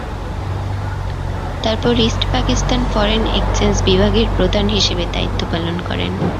তারপর East Pakistan foreign exchange বিভাগের প্রধান হিসেবে দায়িত্ব পালন করেন।